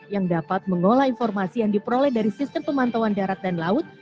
yang dapat mengolah informasi yang diperoleh dari sistem pemantauan darat dan laut